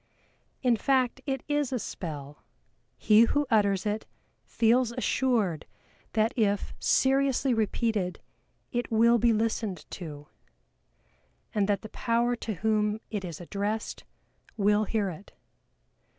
In fact it is a spell, he who utters it feels assured that if seriously repeated it will be listened to, and that the Power to whom it is addressed will hear it.